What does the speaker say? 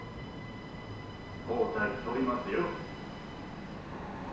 包帯取りますよ・